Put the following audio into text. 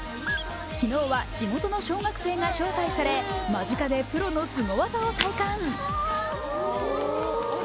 昨日は地元の小学生が招待され間近でプロのすご技を体感。